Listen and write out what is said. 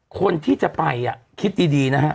คนที่จะไปคิดดีนะฮะ